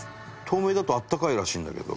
透明だと温かいらしいんだけど。